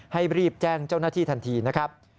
รีบแจ้งเจ้าหน้าที่ทันทีนะครับ